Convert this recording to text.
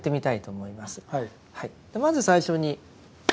まず最初に。